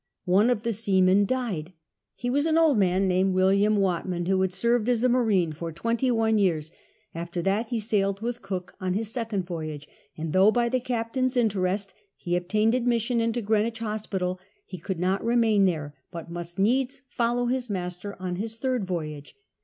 One of the seamen died. • He was an old man named William Watman, who had served as a marine for twenty one years; after that he sailed with (.!ook on his second voyage, and though by the captain's interest he obtained admission into Greenwich Hospital, he could not remain there, but must needs follow his master on his third voyage.